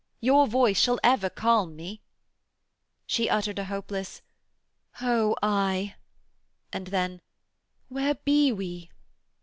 'Your voice shall ever calm me.' She uttered a hopeless 'Oh, aye,' and then, 'Where be we?'